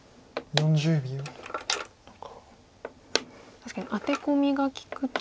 確かにアテコミが利くと。